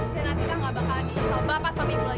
dan atika gak bakalan nyesel bapak samibu lagi